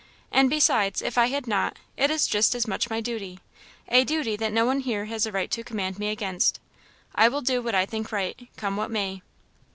And besides, if I had not, it is just as much my duty, a duty that no one here has a right to command me against. I will do what I think right, come what may."